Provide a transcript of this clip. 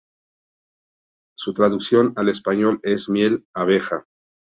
Su traducción al español es miel, abeja.